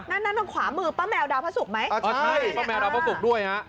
นั่นนั่นตรงขวามือป้าแมวดาวพระศุกร์ไหมอ๋อใช่ป้าแมวดาวพระศุกร์ด้วยฮะ